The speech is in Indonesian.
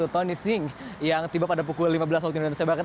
tony singh yang tiba pada pukul lima belas waktu indonesia barat